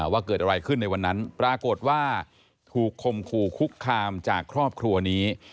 ว่าเกิดอะไรขึ้นในวันนั้นปรากฏว่าถูกคมขู่คุกคามจากครอบครัวนี้